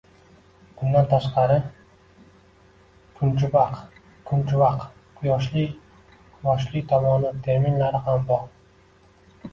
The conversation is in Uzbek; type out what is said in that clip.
Bundan tashqari, kunchubaq, kunchuvaq - «quyoshli, quyoshli tomoni» terminlari ham bor.